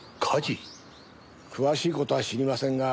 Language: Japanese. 詳しい事は知りませんが宮本たちは